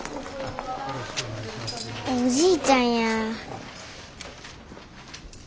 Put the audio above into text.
おじいちゃんや。